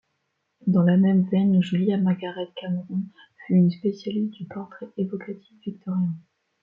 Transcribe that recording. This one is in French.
Dans la même veine, Julia Margaret Cameron fut une spécialiste du portrait évocatif victorien.